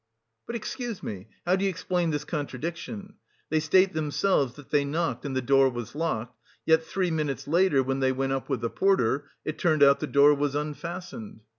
"But excuse me, how do you explain this contradiction? They state themselves that they knocked and the door was locked; yet three minutes later when they went up with the porter, it turned out the door was unfastened."